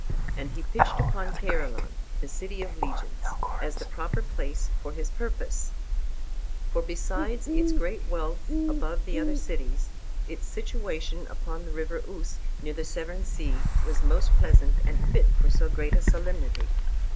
And he pitched upon Caerleon, the City of Legions, as the proper place for his purpose. For, besides its great wealth above the other cities, its situation upon the river Usk, near the Severn sea, was most pleasant and fit for so great a solemnity.